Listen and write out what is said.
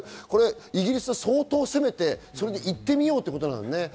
イギリスは相当攻めていってみようということなんだね。